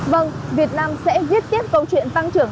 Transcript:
vâng việt nam sẽ viết tiếp câu chuyện tăng trưởng